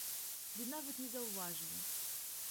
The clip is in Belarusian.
Ды нават не заўважылі!